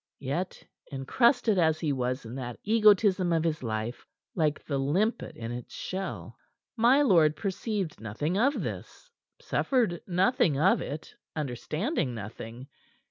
Yet encrusted as he was in that egotism of his like the limpet in its shell my lord perceived nothing of this, suffered nothing of it, understanding nothing.